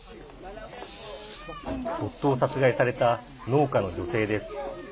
夫を殺害された農家の女性です。